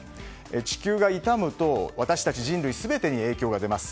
地球が痛むと私たち人類全てに影響が出ます。